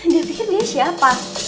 dia pikir dia siapa